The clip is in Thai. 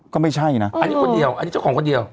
ก็ไม่ใช่นะอันนี้คนเดียวอันนี้เจ้าของคนเดียว